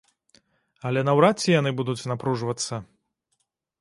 Але наўрад ці яны будуць напружвацца.